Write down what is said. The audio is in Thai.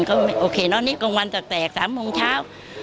ก็โอเคเนอะนี่กลางวันแตก๓โมงเช้า